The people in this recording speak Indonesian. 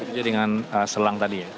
jadi dengan selang tadi ya